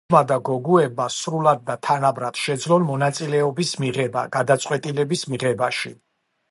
ქალებმა და გოგოებმა სრულად და თანაბრად შეძლონ მონაწილეობის მიღება გადაწყვეტილებების მიღებაში.